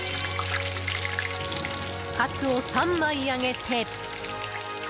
カツを３枚揚げて。